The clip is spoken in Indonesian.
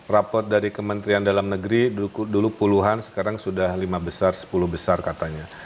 rapot dari kementerian dalam negeri dulu puluhan sekarang sudah lima besar sepuluh besar katanya